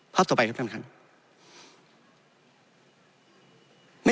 ภาพต่อไปครับท่ำทานครับ